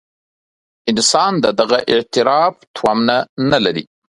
انسان د دغه اعتراف تومنه نه لري.